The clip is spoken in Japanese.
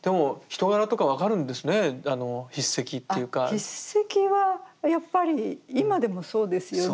筆跡はやっぱり今でもそうですよね。